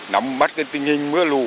nắm bắt cái tình hình mưa lũ